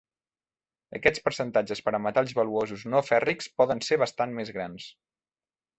Aquests percentatges per a metalls valuosos no fèrrics poden ser bastant més grans.